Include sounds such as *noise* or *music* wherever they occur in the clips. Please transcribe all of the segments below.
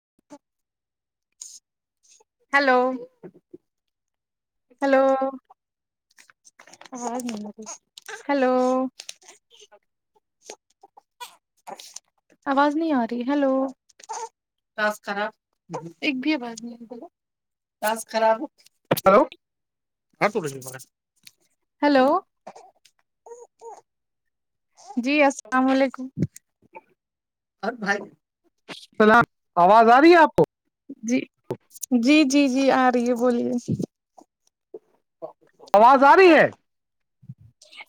*inaudible* hello اس میں م ہلو *unintelligible* آواز نہیں آ رہی ہلو ساز خراب ایک بھی باز ساز خراب ہو ہلو ہلو جی السلام علیکم اورھائی فلام آواز آ رہی ہے آپ کو جی جی جی جی آ رہی ہے بولیے آواز آ رہی ہے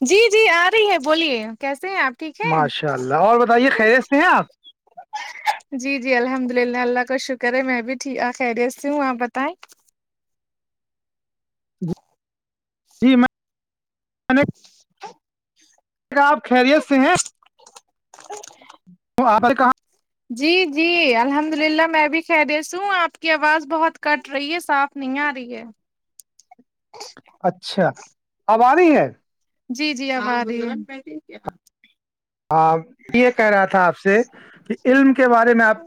جی جی آ رہی ہے بولیے کیسے ہیں آپ ٹھیک ہے ماشاء اللہ اور بتائیے خیریست میں ہیں آپ جی جی الحمد للہ اللہ کا شکر ہے میں بھی خیریت سے ہوں آپ بتائیں جی میں *inaudible* کیا آپ خیریت سے ہیں آپ کہاں جی جی الحمد اللہ میں بھی خریش ہوں آپ کی آواز بہت کٹ رہی ہے صاف نہیں آ رہی ہے *inaudible* اچھا اب آ رہی ہے جی جی اب آ رہی ہاں یہ کہہ رہا تھا آپ سے کہ علم کے بارے میں آپ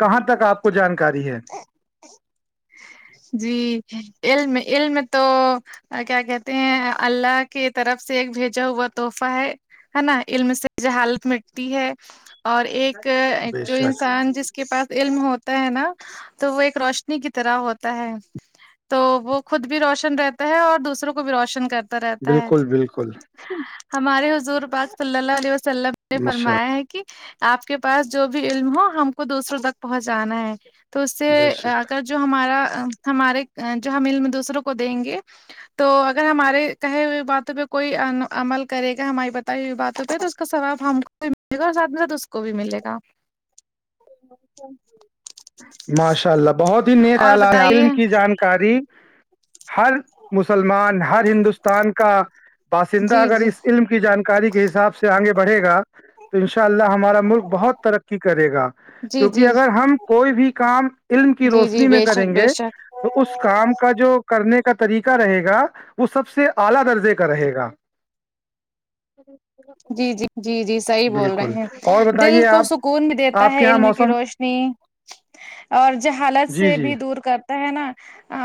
کہاں تک آپ کو جانکاری ہے جی ایل میں ایل میں تو کیا کہتے ہیں اللہ کی طرف سے ایک بھیجا ہوا تحفہ ہے ہے نا علم سے جہالت مٹتی ہے اور ایک بے جو شک انسان جس کے پاس علم ہوتا ہے نا تو وہ ایک روشنی کی طرح ہوتا تو وہ خود بھی روشن رہتا ہے اور دوسروں کو بھی روشن کرتا رہتا ہے بالکل بالکل ہمارے حضور پاک صلی اللہ علیہ وسلم نے ماشاء فرمایا ہے کہ کہ آپ کے پاس جو بھی علم ہو ہم کو دوسروں تک پہنچانا ہے تو اس سے بے شک اگر جو ہمارا ہمارے جو ہم مل میں دوسروں کو دیں گے تو اگر ہمارے کہے ہوئے باتوں پہ کوئی عمل کرے گا ہماری بتائی ہوئی باتوں پہ تو کا سواب ہم کو بھی ملے گا اور ساتھ میں ساتھ اس کو بھی ملے گا ماشاء اللہ بہت ہی نئے اور خیال ع بتائیے کی جان کاری ہر مسلمان ہر ہندوستان کا باسندہ جی اگر جی اس علم کی جانکاری کے حساب سے آگے بڑھے گا تو ان شاء اللہ ہمارا ملک بہت ترقی کرے گا جی کیونکہ جی اگر ہم کوئی بھی کام علم کی جی جی روشنی میں بے شک کریں بے گے شک تو اس کام کا جو کرنے کا طریقہ رہے گا *inaudible* جی جی جی جی صحی بول رہے بالکل ہیں اور دل بتائیے کو آپ سکھ سکون بھی دیتا آپ کے ہے یہاں علم کی موسم روشنی اور ج حالت جی سے جی بھی دور کر ہے نا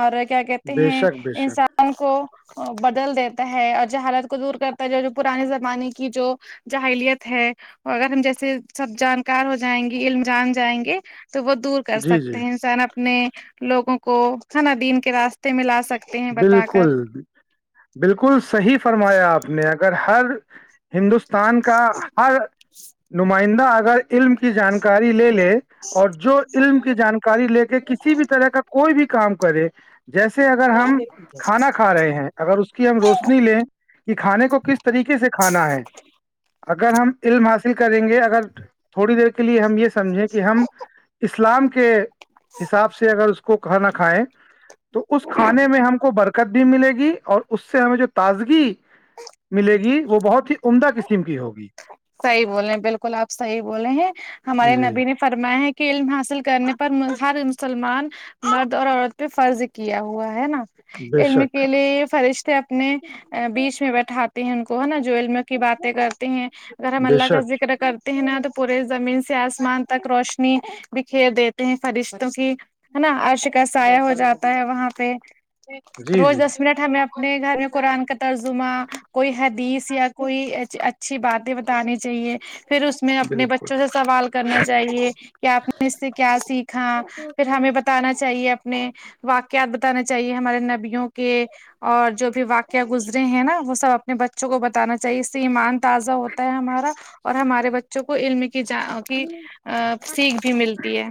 اور کیا کہتے بے ہیں شک بے انس شک کو بدل دیتا ہے اور جہالت کو دور کرتا ہے جو جو پرانے زمانے کی کی جو جاہلیت ہے اور اگر ہم جیسے سب جانکار ہو جائیں گے علم جان جائیں گے تو وہ دور کر جی جی سکتے ہیں انسان اپنے لوگوں کو کھانا دین کے راستے میں لا سکتے ہیں بتا کر بالکل بالکل صحیح فرمایا آپ نے اگر ہر ہندوستان سان کا ہر نمائندہ اگر علم کی جانکاری لے لے اور جو علم کی جانکاری لے کے کسی بھی طرح کا کوئی بھی کام کرے جیسے اگر ہم کھانا کھا رہے ہیں اگر اس کی ہم روشنی لیں کہ کھانے کو کس طریقے سے کھانا ہے اگر ہم علم حاصل کریں گے اگر تھوڑی دیر کے لیے ہم یہ سمجھیں کہ ہم اسلام کے حساب سے اگر اس کو کھر نہ کھائیں تو اس کھانے میں ہم کو برکت بھی ملے گی اور اس سے ہمیں جو تازگی ملے گی وہ بہت ہی عمدہ قسم کی ہوگی صحیح بولے ہیں بالکل آپ صحیح بولے ہیں ہمارے جی نبی نے فرماائے ہے کہ علم حاصل کرنے پر ہر مسلمان مرد اور عورت پہ فرض کیا ہوا ہے نا بے علم کے شک لیے فرشتے اپنے بیچ میں بیٹھاتے ہیں ان کو ہے نا جو علم کی باتیں کرتے ہیں اگر ہم بے اللہ کا شک کر کرتے ہیں نا تو پورے زمین سے آسمان تک روشنی بکھیر دیتے ہیں فرشتوں کی ہے نا عرش کا سایہ ہو جاتا ہے وہاں پہ ا روز دس منٹ ہمیں اپنے گھر میں قرآن کا ترجمہ کوئی حدیث یا کوئی اچھی باتیں بتانی چاہیے پھر اس میں اپنے بالکل بچوں سے سوال کرنا چاہیے کہ آپ نے اس سے کیا سیکھا پھر ہمیں بتانا چاہیے اپنے واقعات بتانا چاہیے ہمارے نبیوں کے اور جو بھی واق کیا گزرے ہیں نا وہ سب اپنے بچوں کو بتانا چاہیے اس سے ایمان تازہ ہوتا ہمارا اور ہمارے بچوں کو علم کی ج کی ا سیکھ بھی ملتی ہے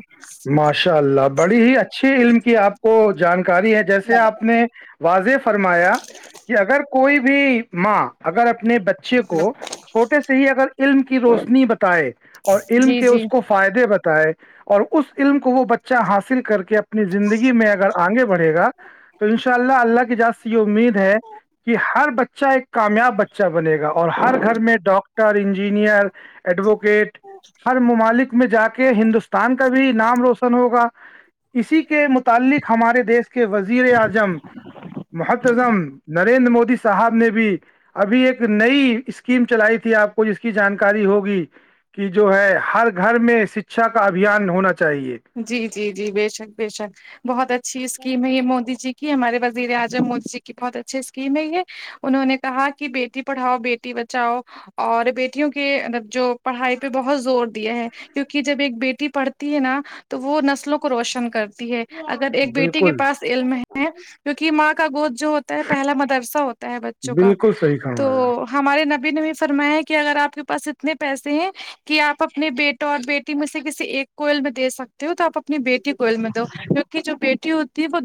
ماشاء اللہ بڑی ہی اچھی علم کی آپ کو جانکاری ہے جیسے آپ نے واضح فرمایا کہ اگر کوئی بھی ماں اگر اپنے بچے کو چھوٹے سے ہی اگر علم کی روشنی بتائے اور علم جی کے جی اس کو فائدے بتائے اور اس علم کو وہ بچہ حاصل کر کے اپنی زندگی میں اگر آگے بڑھے گا تو ان شاء اللہ اللہ کی جاز سے یہ امید ہے کہ ہر بچے بچہ ایک کامیاب بچہ بنے گا اور ہر گھر میں ڈاکٹر انجینئر ایڈوکیٹ ہر ممالک میں جا کے ہندوستان کے کا بھی نام روشن ہوگا اسی کے متعلق ہمارے دیش کے کے وزیر اعظم محتزم نریندر مودی سے صاحب نے بھی ابھی ایک نئی اسکیم چلائی تھی آپ کو جس کی جانکاری ہوگی کہ جو ہے ہر گھر میں شکھا کا ابھیان ہونا چاہیے جی جی جی بے شک بےشک بہت اچھی اسکیم ہے یہ مودی جی کی ہمارے وزیر اعظم مودی جی کی بہت اچھی اسکیم ہے یہ انہوں نے کہا کہ بیٹی پڑھاؤ بیٹی بچاؤ اور بیٹیوں کے مطلب جو پڑھائی پہ بہت زور دیا ہیں کیونکہ جب ایک بیٹی پڑھتی ہے نا تو وہ نسلوں کو روشن کرتی ہے اگر ایک بیٹی کے بالکل پاس علم ہے کیونکہ ماں کا گود جو ہوتا ہے پہلا مدرسہ ہوتا ہے بچوں کا بالکل صحیح تو کھانا ہمارے نبی نبی فرمائے ہیں کہ اگر آپ کے پاس اتنے پیسے ہیں کہ آپ اپنے بیٹا اور بیٹی مجھ سے کسی ایک کوئل میں دے سکتے ہو تو آپ اپنی بیٹی کوئل میں کیونہ جو بیٹی ہوتی ہے وہ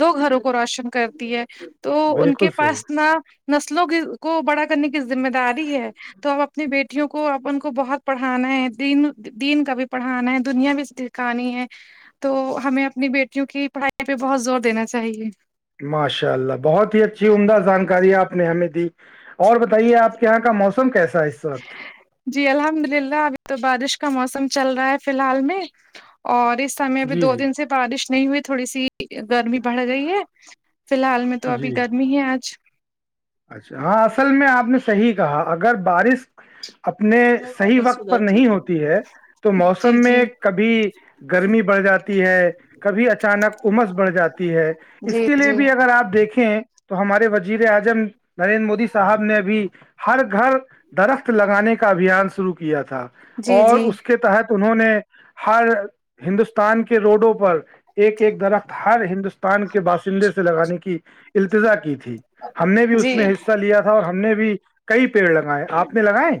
دو گھروں کو روشن کرتی ہے تو ان بالکل کے پاس صحیح نہ نسلوں کی کو بڑا کرنے کی ذمہ داری ہے تو اب اپنی بیٹیوں کو اپن کو بہت پڑھانا ہے دین دین کا بھی پڑھانا ہے دنیا بھی کہانی ہے تو ہمیں اپنی بیٹیوں کی پڑھائی پہ بہت زور دینا چاہیے ماشاء اللہ بہت ہی اچھی عمدہ جانکاری آپ نے ہمیں دی اور بتائیے آپ کے یہاں کا موسم کیسا ہے اس وقت جی الحمد للہ ابھی تو بارش کا موسم چل رہا ہے فی الحال میں اور اس س ابھی جی دو دن سے بارش نہیں ہوئی تھوڑی سی گرمی بڑھ گئی ہے فی الحال میں تو جی ابھی جی گرمی ہے آج اچھا ہاں اصل میں آپ نے صحیح کہا اگر بارش اپنے صحیح وقت پر نہیں ہوتی ہے تو موسم جی جی میں کبھی گرمی بڑھ جاتی ہے کبھی اچانک امس بڑھ جاتی ہے اس جی کے لیے جی بھی اگر آپ دیکھیں تو ہمارے وزیر اعظم نریندر مودی صاحب نے ابھی ہر گھر درخت لگانے کا ابھیان شرو کیا تھا جی اور جی اس کے تحت انہوں نے ہر ہندوستان کے روڈوں پر ایک ایک درخت ہر ہندوستان کے باشندے سے لگانے کی التزا کی تھی ہم نے بھی اس جی میں حصہ لیا تھا اور ہم نے بھی کئی پیڑ لگائے آپ نے لگائے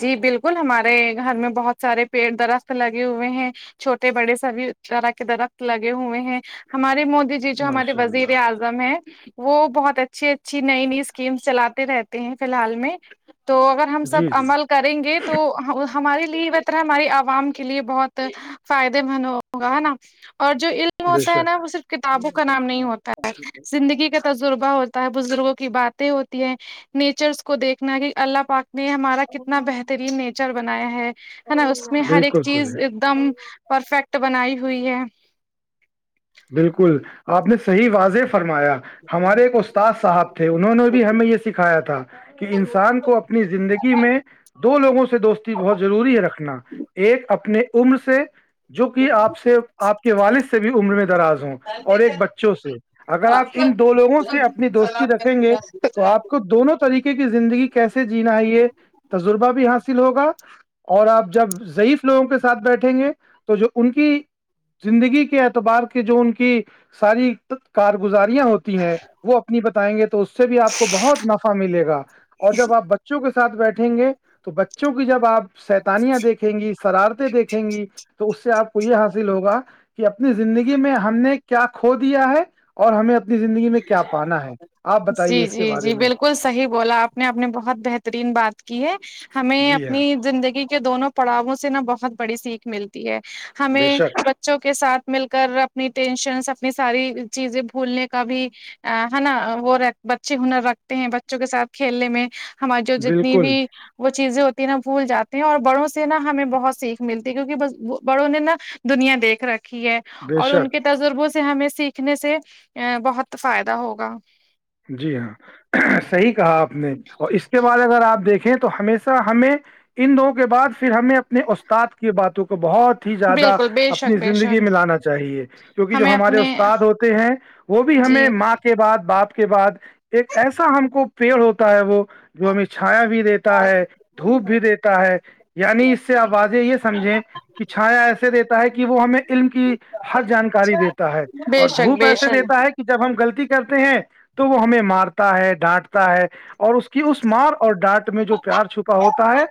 جی بالکل ہمارے گھر میں بہت سارے پیڑ درخت لگے ہوئے ہیں چھوٹے بڑے سبھی طرح کے درخت لگے ہوئے ہیں ہمارے مودی جی جو ہمارے ماشاء وزیر اللہ اعظم ہیں وہ بہت اچھی اچھی نئی نئی اسکیمس چلاتے رہتے ہیں فی الحال میں تو اگر ہم سب جی جی عمل کریں گے تو ہمارے لیے وہ طرح ہماری عوام کے لیے بہت فائدے مند ہوگا ہے نا اور جو بے ہوتا ہے نا شک وہ صرف کتابوں کا نام نہیں ہوتا ہے زندگی کا تجربہ ہوتا ہے بزرگوں کی باتیں ہوتی ہیں نیچرس کو دیکھنا کہ اللہ پاک نے ہمارا کتنا بہترین نیچر بنایا ہے ہے نا اس میں ہر ایک بالکل صحیح چیز ایک دم پرفیکٹ بنائی ہوئی ہے بالکل آپ نے صحیح واضح فرمایا ہمارے ایک د صاحب تھے انہوں نے بھی ہمیں یہ سکھایا تھا کہ انسان کو اپنی زندگی میں دو لوگوں سے دوستی بہت ضروری ہے رکھنا ایک اپنے عمر سے جو کہ آپ سے آپ کے والد سے بھی عمر میں دراز ہوں اور ایک بچوں سے اگر آپ ان دو لوگوں سے اپنی دوستی رکھیں گے تو آپ کو دونوں طریقے کی زندگی کیسے جینا ہے یہ تجربہ بھی حاصل ہوگا اور آپ جب ضعیف لوگوں کے ساتھ بیٹھیں گے تو جو ان کی زندگی کے اعتبار کے جو ان کی ساری کارگزاریاں ہوتی ہیں وہ اپنی بتائیں گے تو اس سے بھی آپ کو بہت نفع ملے گا اور جب آپ بچے بچوں کے ساتھ بیٹھیں گے تو بچوں کی جب آپ سیتانیاں دیکھیں گی شرارتیں دیکھیں گی تو اس سے آپ کو یہ حاصل ہوگا کہ اپنی زندگی میں ہم نے کیا کھو دیا ہے اور ہمیں اپنی زندگی میں کیا پانا ہے آپ بتائیے جی اس کے جی بارے جی میں بالکل صحی بولا آپ نے آپ نے بہت بہترین بات کی ہے ہمیں جی ہاں اپنی زندگی دونوں پڑاؤوں سے نا بہت بڑی سیکھ ملتی ہے بے ہمیں شک بچوں کے سھ مل کر اپنی ٹینشنس اپنی ساری چیزیں بھولنے کا بھی ہے نا وہ بچے ہنر رکھتے ہیں بچوں کے ساتھ کھیلنے میں ہماری جو جتنی بھی بالکل وہ چیزیں ہوتی ہیں نا بھول جاتے ہیں اور بڑوں سے نا ہمیں بہت سیکھ ملتی ہے کیونک ب بڑوں نے نا دنیا دیکھ رکھی ہے بے اور ان شک کے تجربوں سے ہمیں سیکھنے سے ا بہت فائدہ ہوگا جی ہاں صحیح کہا آپ نے اور اس کے بعد اگر آپ دیکھیں ہمیشہ ہمیں ان دوں کے بعد پھر ہمیں اپنے استاد کی باتوں کو بہت ہی زیادہ بالکل بے شک اپنی بے زندگی شک میں لانا چاہیے کیونکہ جو ہمیں ہمارے اپنے استاد ہوتے ہیں وہ بھی ہمیں جی ماتات کے بعد باپ کے بعد ایک ایسا ہم کو پیڑ ہوتا ہے وہ جو ہمیں چھایا بھی دیتا تا ہے دھوپ بھی دیتا ہے یعنی اس سے آوازیں یہ سمجھیں کہ چھایا ایسے دیتا ہے کہ وہ ہمیں علم کی ہر جانکاری دیتا ہے بے اور شک دھوپ بے ایسے شک دیتا ہے کہ جب ہم غلطی کرتے ہیں تو وہ ہمیں مارتا ہے ڈانٹتا ہے اور اس کی اس مار اور ڈانٹ میں جو پیار چھپا ہوتا ہے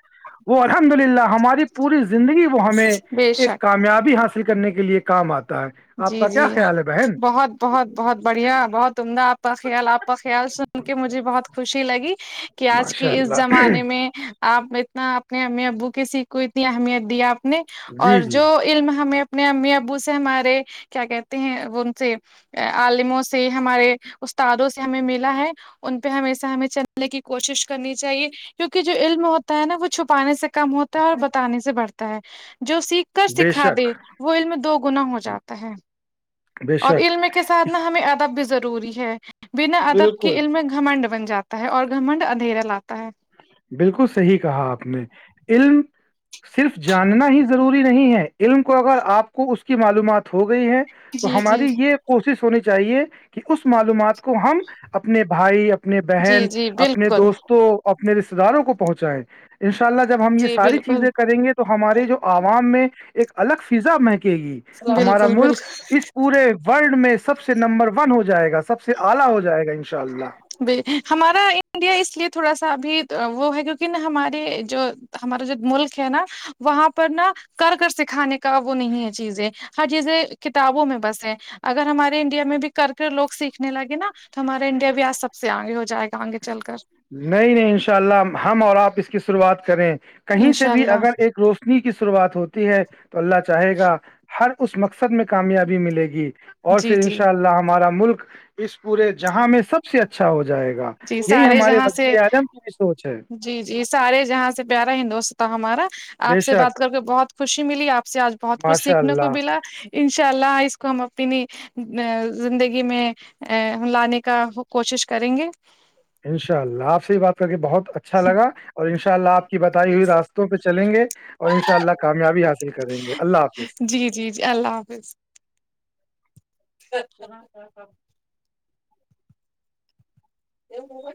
وہ الحمد للہ ہماری پوری زندگی وہ ہمیں بے ایک شک کامیابی حاصل کرنے کے لیئے کام آتا ہے آپ جی کا کیا جی خیال ہے بہن بہت بہت بہت بڑھیا بہت عمدہ آپ کا خیال آپ کا خیال سن کے مجھے بہت خوشی لگی کہ آج ماشاء کے اس اللہ زمانے میں آپ اتنا اپنے امی ابو کی سیکھ کو اتنی اہمیت دیا آپ نے جی اور جی جو علم ہمیں اپنے امی ابو سے ہمارے کیا کہتے ہیں وہ ان سے عالموں سے ہمارے استادوں سے ہمیں ملا ہے ان پہ ہمیشہ ہمیں چلنے کی کوشش کرنی چاہیے کیونکہ جو علم ہوتا ہے نا وہ چھپانے سےک کم ہوتا ہے اور بتانے سے بڑھتا ہے جو سیکھ کر بے سکھا شک دے وہ علم دو گنا ہو جاتا بے اور شک علم کے ساتھنا اس- ہمیں ادب بھی ضروری ہے بنا ادب کے بالکل علم گھمنڈ بن جاتا ہے اور گھمنڈ اندھیرا لاتا ہے بالکل صحیح کہا آپ نے علم صرف جاننا ہی ضروری نہیں ہے علم کو اگر آپ کو اس کی معلومات ہو گئی ہے تو جی جی ہماری یہ کوشش ہونی چاہیے کہ اس معلومات کو ہم اپنے بھائی اپنے اپنے جی بہن جی اپنے بالکل دوستوں اپنے رشتے داروں کو پہنچائے ان شاء اللہ جب ہم یہ جی ساری بالکل چیزیں کریں گے تو ہمارے جو عوام میں ایک الگ فضا مہنکے گی ہمارا بالکل ملک بالکل اس پورے ورلڈ میں سب سے نمبر ون ہو جائے گا سب سے سے اعلہ ہو جائے گا ان شاء اللہ ب ہمارا انڈیا اس لیے تھوڑا سا بھی وہ ہے کیونکہ ہمارے جو ہمارا جو ملک ہے نا وہاں پر نا کر کر سکھانے کا وہ نہیں ہے چیزیں ہر چیزیں کتابوں میں بس ہے اگر ہمارے انڈیا میں بھی کر کے لوگ سیکھ نے لگے نا تو ہمارا انڈیا بھی آج سب سے آگے ہو جائے گا آگے چل کر نہیں نہیں ان شاء اللہ ہم اور آپ اس کی شروعات کریں کہیں سے انشاء بھی اللہ اگر ایک روست کی شروعات ہوتی ہے تو اللہ چاہے گا ہر اس مقصد میں کامیابی ملے گی اور جی پھر ان جی شاء اللہ ہمارا ملک اس پورے جہاں میں سب سے اچھا اچھا ہو جائے گا جی یہی سارے ہمارے جہاں سے وزیر اعظم کی بھی سوچ ہے جی جی سارے جہاں سے پیارا ہندوست ہمارا بے آپ سے شک بات کر کے بہت خوشی ملی آپ سے آج بہت کچھ ماشاء سیکھنے کو اللہ ملا انشاء اللہ آسکوم اپنی زندگی میں لانے کا کوشش کریں گے انشاء اللہ آپ سے ہی بات کر کے بہت اچھا لگا اور ان شاء اللہ آپ کی بتائی ہوئی راستوں پہ چلیں گے اور ان ششاء اللہ کامیابی حاصل کریں گے اللہ حافظ جی جی جی اللہ حافظ سنا تھا *unintelligible* تو ہو